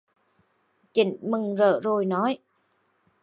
Chỉnh mừng rỡ rồi nói